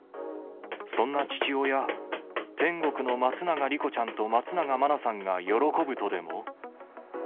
そんな父親、天国の松永莉子ちゃんと松永真菜さんが喜ぶとでも？